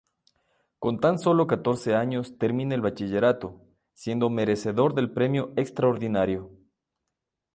Con tan sólo catorce años termina el bachillerato, siendo merecedor del premio extraordinario.